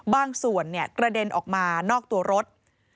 บางส่วนกระเด็นออกมานอกตัวรถ